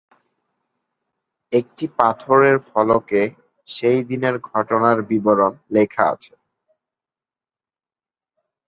একটি পাথরের ফলকে সেই দিনের ঘটনার বিবরণ লেখা আছে।